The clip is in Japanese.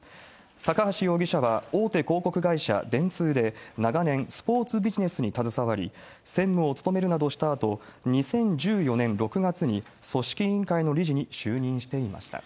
高橋容疑者は、大手広告会社、電通で、長年、スポーツビジネスに携わり、専務を務めるなどしたあと、２０１４年６月に、組織委員会の理事に就任していました。